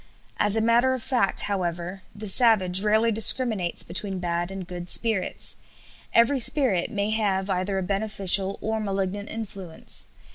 As a matter of fact, however, the savage rarely discriminates between bad and good spirits. Every spirit may have either a beneficial or malignant influence.